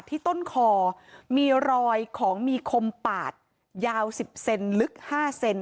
ที่ต้นคอมีรอยของมีคมปาดยาว๑๐เซนลึก๕เซน